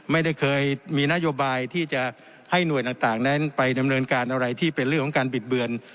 ไม่ได้เคยมีนโยบายที่จะให้หน่วยต่างนั้นไปดำเนินการอะไรที่เป็นเรื่องของการบิดเบือน